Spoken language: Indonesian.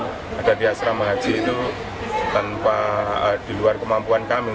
jadi kita tidak bisa mencari jemaah haji di asrama haji itu tanpa diluar kemampuan kami